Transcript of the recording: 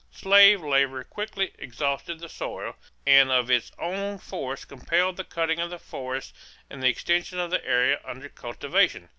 Slave labor quickly exhausted the soil and of its own force compelled the cutting of the forests and the extension of the area under cultivation.